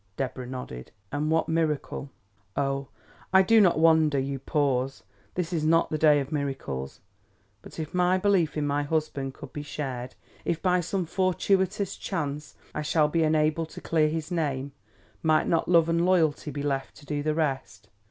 Deborah nodded. "And what miracle " "Oh, I do not wonder you pause. This is not the day of miracles. But if my belief in my husband could be shared; if by some fortuitous chance I should be enabled to clear his name, might not love and loyalty be left to do the rest?